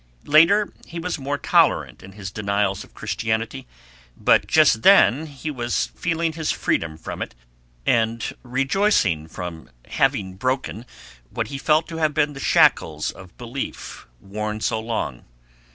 Later he was more tolerant in his denials of Christianity, but just then he was feeling his freedom from it, and rejoicing in having broken what he felt to have been the shackles of belief worn so long.